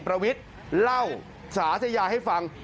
ประวิทย์เล่าสาธยาให้ฟัง